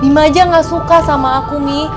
bima aja gak suka sama aku nih